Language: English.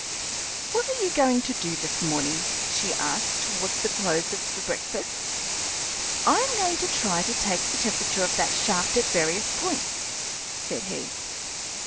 "What are you going to do this morning?" she asked, towards the close of the breakfast. "I am going to try to take the temperature of that shaft at various points," said he.